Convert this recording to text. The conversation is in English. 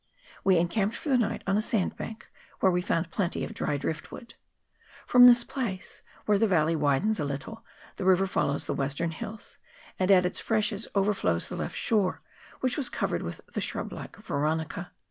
We encamped for the night on a sandbank, where we found plenty of dry drift wood. From this place, where the valley widens a little, the river follows the western hills, and at its freshes overflows the left shore, which was covered with the shrublike veronica.